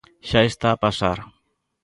Xa está a pasar.